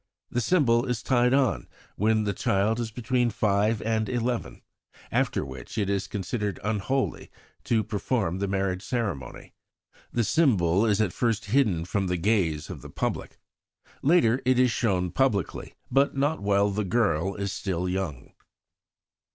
The symbol is tied on when the child is between five and eleven, after which it is considered unholy to perform the marriage ceremony. The symbol is at first hidden from the gaze of the public. Later it is shown publicly, but not while the girl is still young."